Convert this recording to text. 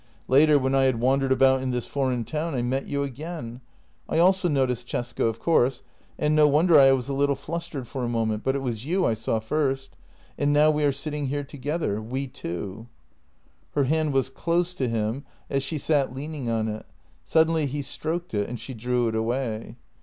Later, when I had wandered about in this foreign town, I met you again. I also noticed Cesca, of course, and no wonder I was a little flustered for a moment, but it was you I saw first. And now we are sitting here to gether — we two." Her hand was close to him as she sat leaning on it ; suddenly he stroked it — and she drew it away.